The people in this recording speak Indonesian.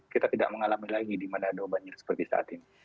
kita tidak mengalami lagi di mana ada banjir seperti saat ini